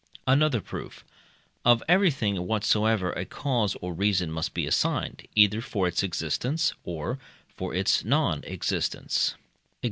Another proof. Of everything whatsoever a cause or reason must be assigned, either for its existence, or for its non existence e.